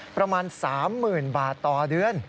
ประมาณ๓๐๐๐บาทต่อเดือน